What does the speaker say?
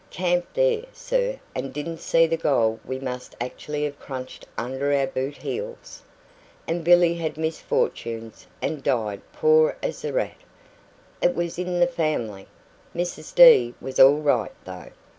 Camped there, sir, and didn't see the gold we must actually have crunched under our boot heels. And Billy had misfortunes, and died poor as a rat. It was in the family. Mrs D. was all right, though.